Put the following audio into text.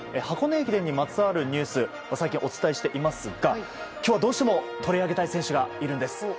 箱根駅伝にまつわるニュースを最近お伝えしていますが今日はどうしても取り上げたい選手がいるんです。